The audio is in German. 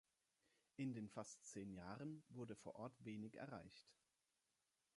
In den fast zehn Jahren wurde vor Ort wenig erreicht.